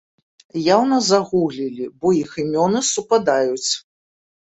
Яўна загуглілі, бо іх імёны супадаюць!